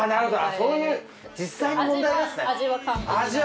そういう実際の問題ですね。